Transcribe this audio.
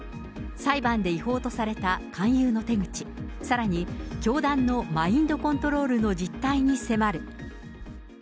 裁判で違法とされた勧誘の手口、さらに、教団のマインドコントロールの実態に迫る。